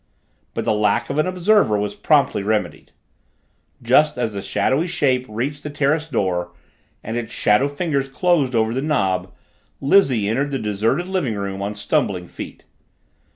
But the lack of an observer was promptly remedied. Just as the shadowy shape reached the terrace door and its shadow fingers closed over the knob, Lizzie entered the deserted living room on stumbling feet.